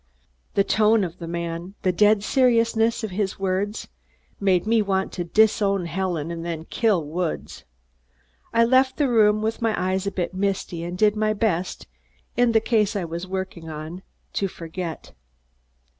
The tone of the man, the dead seriousness of his words, made me want to disown Helen and then kill Woods. I left the room with my eyes a bit misty and did my best, in the case I was working on, to forget.